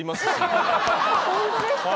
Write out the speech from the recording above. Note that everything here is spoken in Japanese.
ホントですか？